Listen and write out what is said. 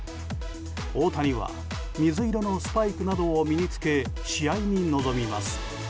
大谷は水色のスパイクなどを身に着け試合に臨みます。